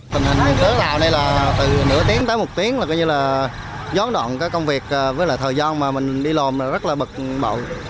tình hình tớ nào này là từ nửa tiếng tới một tiếng là gió đoạn công việc với thời gian mà mình đi lồn là rất là bực bộ